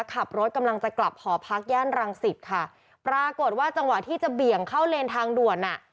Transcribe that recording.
ขับรถกำลังจะกลับหอพักย่านรังสิตค่ะปรากฏว่าจังหวะที่จะเบี่ยงเข้าเลนทางด่วนอ่ะ